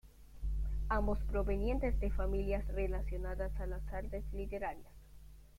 Ambos provenientes de familias relacionadas a las artes literarias.